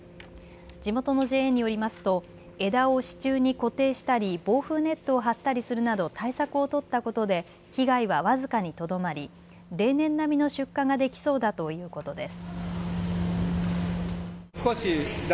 地元のＪＡによりますと枝を支柱に固定したり防風ネットを張ったりするなど対策を取ったことで被害は僅かにとどまり例年並みの出荷ができそうだということです。